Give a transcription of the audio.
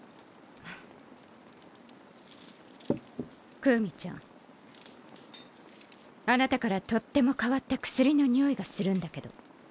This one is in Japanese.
クウミちゃんあなたからとっても変わった薬の匂いがするんだけど。